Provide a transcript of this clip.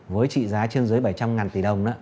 với trị giá trên dưới bảy trăm linh tỷ đồng